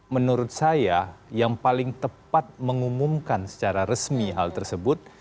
menurut saya yang paling tepat mengumumkan secara resmi hal tersebut